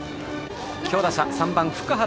強打者、３番の福原。